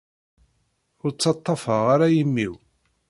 Ur ttaṭṭafeɣ ara imi-w.